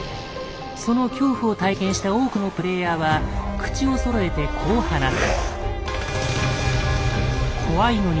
その恐怖を体験した多くのプレイヤーは口をそろえてこう話す。